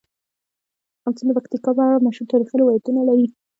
افغانستان د پکتیکا په اړه مشهور تاریخی روایتونه لري.